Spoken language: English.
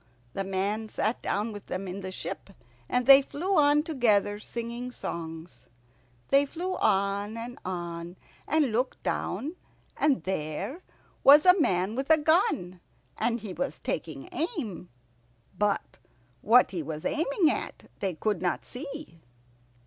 The man sat down with them in the ship, and they flew on together singing songs. They flew on and on, and looked down, and there was a man with a gun, and he was taking aim, but what he was aiming at they could not see.